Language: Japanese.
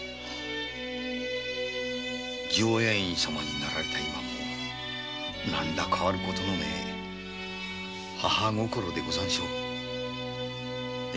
淨円院様になられた今も何ら変わる事のねぇ母心でござんしょうよ。